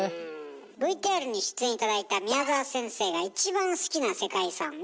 ＶＴＲに出演頂いた宮澤先生が一番好きな世界遺産は